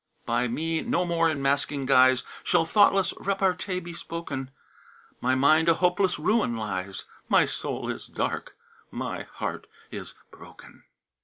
"By me no more in masking guise Shall thoughtless repartee be spoken; My mind a hopeless ruin lies My soul is dark, my heart is broken!"